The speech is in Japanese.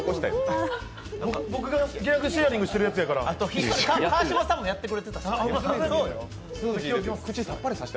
僕がギャグシェアリングしてるやつやからあと川島さんもやってくれてたし。